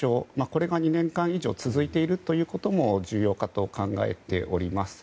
これが２年間以上続いていることも重要かと考えております。